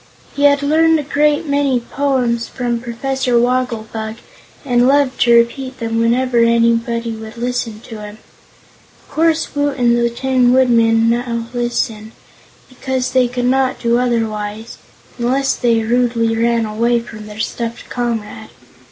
He had learned a great many poems from Professor Wogglebug and loved to repeat them whenever anybody would listen to him. Of course Woot and the Tin Woodman now listened, because they could not do otherwise unless they rudely ran away from their stuffed comrade.